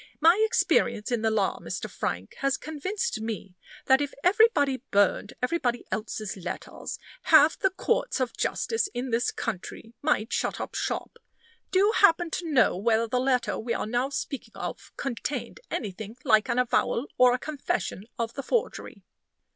My experience in the law, Mr. Frank, has convinced me that if everybody burned everybody else's letters, half the courts of justice in this country might shut up shop. Do you happen to know whether the letter we are now speaking of contained anything like an avowal or confession of the forgery?"